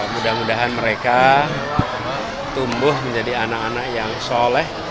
mudah mudahan mereka tumbuh menjadi anak anak yang soleh